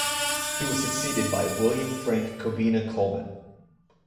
He was succeeded by William Frank Kobina Coleman.